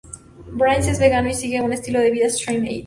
Briggs es vegano y sigue un estilo de vida "straight edge".